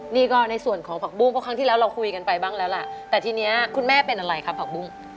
นี่ก็ในส่วนของผักบุ้งเพราะครั้งที่แล้วเราคุยกันไปบ้างแล้วล่ะแต่ทีนี้คุณแม่เป็นอะไรครับผักบุ้ง